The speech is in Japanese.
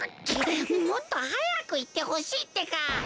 もっとはやくいってほしいってか！